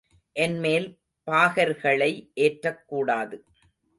என் மேல் பாகர்களை ஏற்றக்கூடாது.